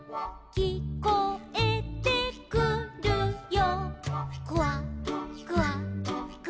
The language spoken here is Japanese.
「きこえてくるよ」